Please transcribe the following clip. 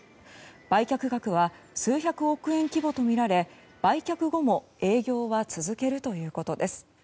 売却額は数百億円規模とみられ売却後も営業は続けるということです。